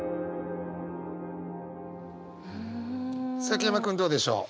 崎山君どうでしょう？